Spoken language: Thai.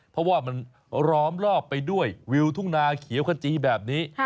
เพราะว่ามันล้อมรอบไปด้วยวิวทุ่งนาเขียวขจีแบบนี้